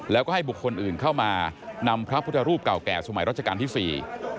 แล้วก็ให้บุคคลอื่นเข้ามานำพระพุทธรูปเก่าแก่สมัยรัชกาลที่สี่